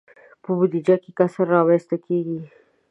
په بودجه کې کسر رامنځته کیږي.